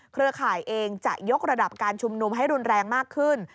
เครือข่ายเองจะยกระดับการชุมนุมให้รุนแรงมากขึ้น